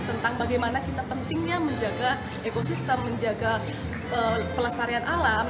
tentang bagaimana kita pentingnya menjaga ekosistem menjaga pelestarian alam